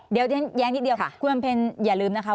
เดี๋ยวแย้งนิดเดียวคุณบำเพ็ญอย่าลืมนะคะ